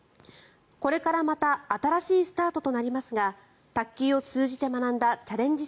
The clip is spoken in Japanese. これからまた新しいスタートとなりますが卓球を通じて学んだチャレンジ